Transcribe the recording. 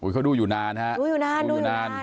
เขาดูอยู่นานนะครับดูอยู่นาน